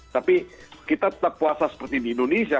tapi kita tetap puasa seperti di indonesia